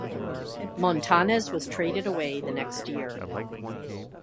Montanez was traded away the next year.